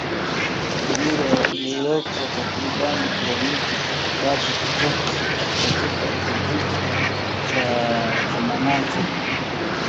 lililoko takriban kilomita tatu kutoka katika kijiji cha Zimamoto